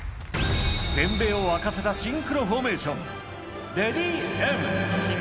全米を沸かせたシンクロフォーメーション。